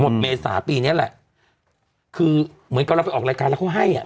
เมษาปีเนี้ยแหละคือเหมือนกับเราไปออกรายการแล้วเขาให้อ่ะ